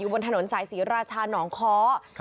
บนถนนสายศรีราชาหนองค้อ